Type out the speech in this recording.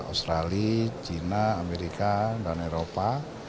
australia china amerika dan eropa